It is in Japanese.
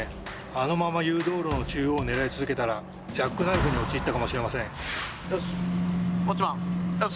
あのまま誘導路の中央を狙い続けたらジャックナイフに陥ったかもしれません。